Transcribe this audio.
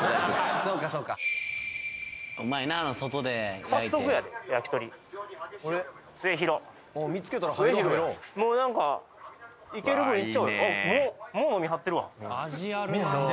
そうかそうかうまいな外で焼いて早速やで焼き鳥見つけたら入ろう入ろうもうなんかいけるのいっちゃおうよ